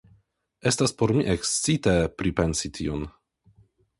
Estas por mi ekscite pripensi tion.